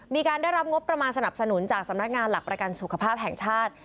มีการได้รับงบประมาณสนับสนุนจากสำนักงานหลักประกันสุขภาพแห่งชาติ